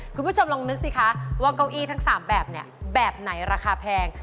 คุณผู้ชมลองนึกสิคะว่าเก้าอี้ทั้ง๓แบบเนี่ยแบบไหนราคาแพง